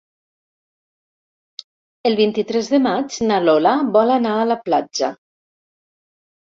El vint-i-tres de maig na Lola vol anar a la platja.